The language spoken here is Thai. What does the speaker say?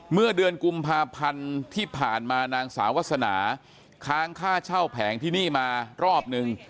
เมื่อเดือนกุมภาพันธ์ที่ผ่านมานางสาววาสนาค้างค่าเช่าแผงที่นี่มารอบนึง